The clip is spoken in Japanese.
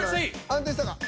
安定したか？